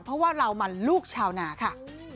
เพราะว่าเรามันลูกชาวนาค่ะ